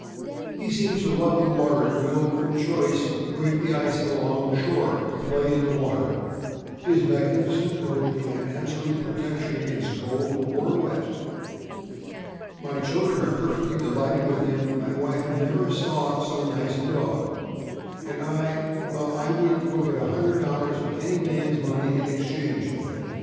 " He seems to love the water, and will, from choice, break the ice along shore to play in the water, his magnificent coat being an absolute protection against cold or wet. "My children are perfectly delighted with him; my wife 'never saw so nice a dog,' and I— well, I wouldn't look at $100 of any man' s money in exchange for him.